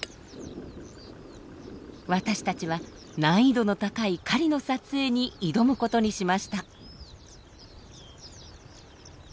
私たちは難易度の高い狩りの撮影に挑むことにしました。